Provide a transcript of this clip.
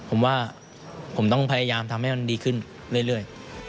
ผมว่าผมต้องพยายามทำให้มันดีขึ้นเรื่อย